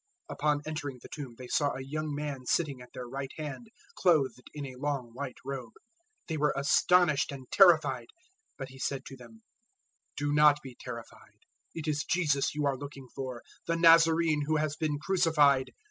016:005 Upon entering the tomb, they saw a young man sitting at their right hand, clothed in a long white robe. They were astonished and terrified. 016:006 But he said to them, "Do not be terrified. It is Jesus you are looking for the Nazarene who has been crucified.